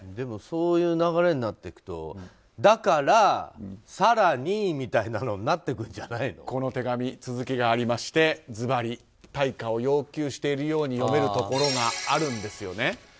そういう流れになってくるとだから更にみたいにこの手紙、続きがありましてずばり対価を要求しているように読めるところがあるんですよね。